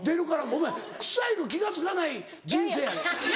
お前臭いの気が付かない人生やねん。